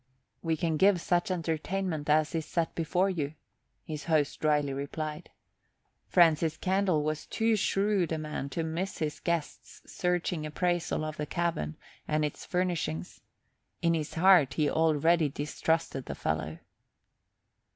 "We can give such entertainment as is set before you," his host drily replied. Francis Candle was too shrewd a man to miss his guest's searching appraisal of the cabin and its furnishings. In his heart he already distrusted the fellow.